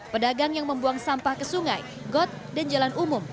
pedagang yang membuang sampah ke sungai got dan jalan umum